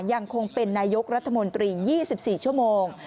ยังคงเป็นนายกรัฐมนตรี๒๔ชั่วโมง